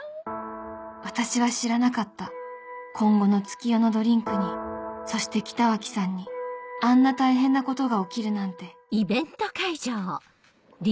私は知らなかった今後の月夜野ドリンクにそして北脇さんにあんな大変なことが起きるなんて